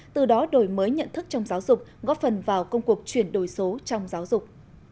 từ đó đổi mới nhận thức trong giáo dục góp phần vào công cuộc chuyển đổi số trong giáo dục